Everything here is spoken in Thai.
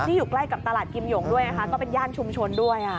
อยู่ใกล้กับตลาดกิมหยงด้วยนะคะก็เป็นย่านชุมชนด้วย